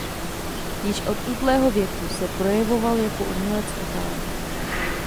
Již od útlého věku se projevoval jako umělecký talent.